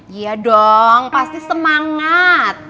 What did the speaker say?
lo cukup semangat